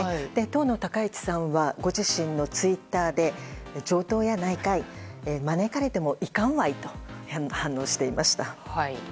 当の高市さんはご自身のツイッターで「上等やないかいっ。招かれても行かんわい！」と反応していました。